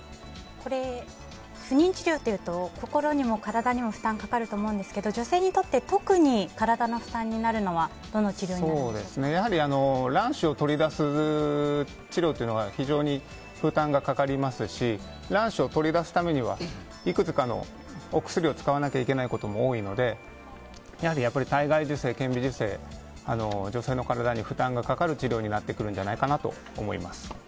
不妊治療というと心にも体にも負担がかかると思うんですけど、女性にとって特に体の負担になるのは卵子を取り出す治療は非常に負担がかかりますし卵子を取り出すためにはいくつかのお薬を使わなければいけないことも多いのでやはり体外受精、顕微授精は女性の体に負担がかかる治療になってくるんじゃないかと思います。